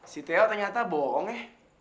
si teo ternyata bohong ya